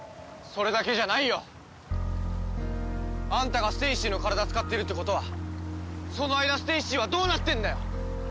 それだけじゃないよ！あんたがステイシーの体使ってるってことはその間ステイシーはどうなってるんだよ！